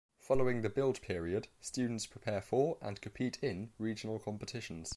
Following the build period, students prepare for and compete in regional competitions.